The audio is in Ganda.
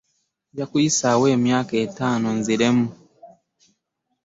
Nja kiyisaawo emyaka etaano nziremu.